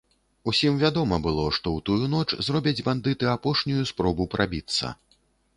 Усім вядома было, што ў тую ноч зробяць бандыты апошнюю спробу прабіцца.